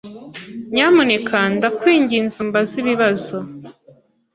Nyamuneka ndakwinginze umbaze ibibazo.